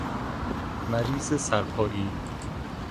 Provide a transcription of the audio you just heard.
مریض سرپائی